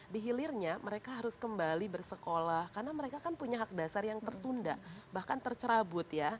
di hilirnya mereka harus kembali bersekolah karena mereka kan punya hak dasar yang tertunda bahkan tercerabut ya